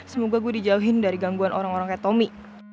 semoga gue dijauhin dari gangguan orang orang kayak tommy